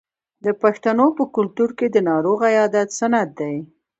د پښتنو په کلتور کې د ناروغ عیادت سنت دی.